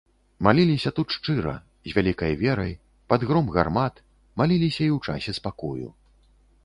Маліліся тут шчыра, з вялікай верай, пад гром гармат, маліліся і ў часе спакою.